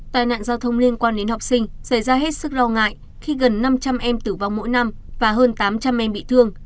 tai nạn giao thông liên quan đến học sinh xảy ra hết sức lo ngại khi gần năm trăm linh em tử vong mỗi năm và hơn tám trăm linh em bị thương